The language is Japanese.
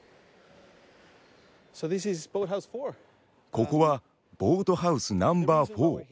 ここはボートハウスナンバーフォー。